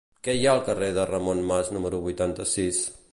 Què hi ha al carrer de Ramon Mas número vuitanta-sis?